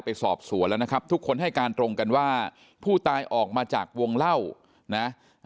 ไปสอบสวนแล้วนะครับทุกคนให้การตรงกันว่าผู้ตายออกมาจากวงเล่านะ